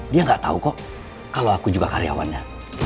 dia nggak tahu kok kalau aku juga karyawannya